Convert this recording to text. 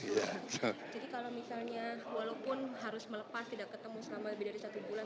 jadi kalau misalnya walaupun harus melepas tidak ketemu selama lebih dari satu bulan